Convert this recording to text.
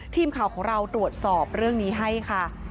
ทีมข่าวของเราตรวจสอบเรื่องนี้ให้ค่ะ